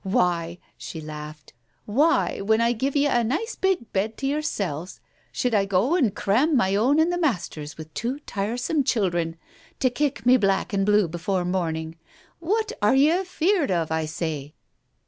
Why," she laughed, "why, when I give ye a nice big bed to yourselves, should I go and cram my own and the master's with two tire some children, to kick me black and blue before morn ing ? What are ye afeared of, I say